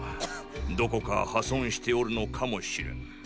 どこか破損しておるのかもしれン。